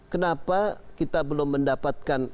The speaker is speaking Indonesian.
kenapa kita belum mendapatkan